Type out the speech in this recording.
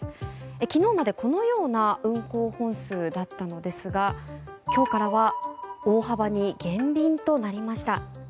昨日までこのような運行本数だったのですが今日からは大幅に減便となりました。